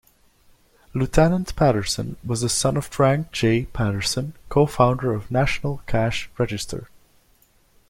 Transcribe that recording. Lieutenant Patterson was the son of Frank J. Patterson, co-founder of National Cash Register.